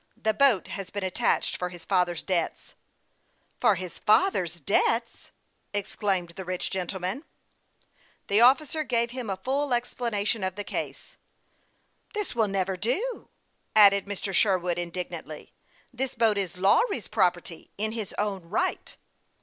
" The boat has been attached for his father's debts." " For his father's debts !" exclaimed the rich gentleman. The officer gave him a full explanation of the case. THE YOUNG PILOT OF LAKE CHAMPLAIX. 229 " This will never do," added Mr. Sherwood, indig nantly. " This boat is Lawry's property in his own right."